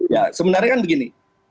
ya sebenarnya kan begini